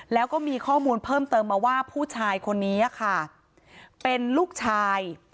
แล้วก็มีข้อมูลเพิ่มเติมมาว่าผู้ชายคนนี้ค่ะเป็นลูกชาย